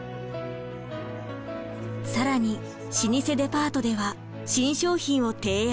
更に老舗デパートでは新商品を提案。